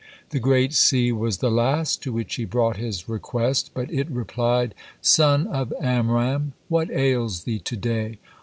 The Great Sea was the last to which he brought his request, but it replied: "Son of Amram, what ails thee today?